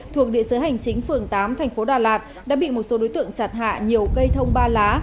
thuộc địa sứ hành chính phường tám tp đà lạt đã bị một số đối tượng chặt hạ nhiều cây thông ba lá